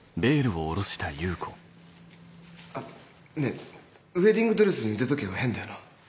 あっねぇウエディングドレスに腕時計は変だよな？